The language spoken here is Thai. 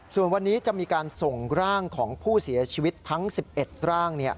ส่วนวันนี้จะมีการส่งร่างของผู้เสียชีวิตทั้ง๑๑ร่าง